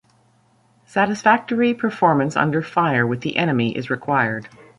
Satisfactory performance under fire with the enemy is required.